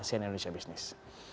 sian indonesia business